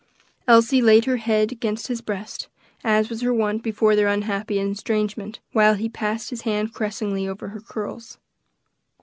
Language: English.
Elsie laid her head against his breast, as was her wont before their unhappy estrangement, while he passed his hand caressingly over her curls.